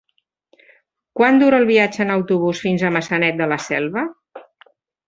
Quant dura el viatge en autobús fins a Maçanet de la Selva?